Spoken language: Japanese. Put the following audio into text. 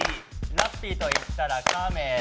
ラッピーといったらカメラ。